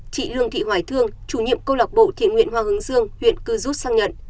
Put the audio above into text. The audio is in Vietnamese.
chị lương thị hoài thương chủ nhiệm câu lọc bộ thiện nguyện hoa hứng dương huyện cư rút xăng nhận